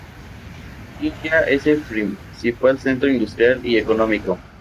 Jinja es el principal centro industrial y económico.